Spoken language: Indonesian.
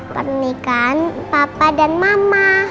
pernikan papa dan mama